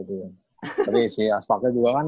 tapi si aspaknya juga kan